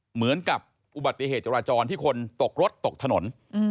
เหมือนกับอุบัติเหตุจราจรที่คนตกรถตกถนน